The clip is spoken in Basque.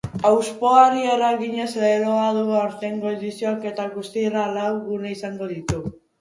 Hauspoari eraginez leloa du aurtengo edizioak eta guztiralau gune izango ditu.